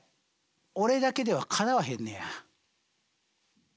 俺だけではかなわへんねや。